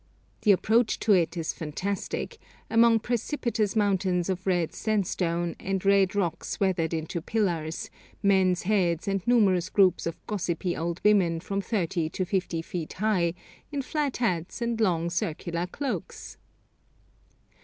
The approach to it is fantastic, among precipitous mountains of red sandstone, and red rocks weathered into pillars, men's heads, and numerous groups of gossipy old women from thirty to fifty feet high, in flat hats and long circular cloaks!